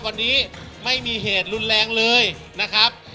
วันนี้ไม่มีเหตุรุนแรงเลยนะครับ